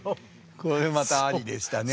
これまたありでしたね。